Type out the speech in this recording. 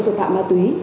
với tội phạm ma túy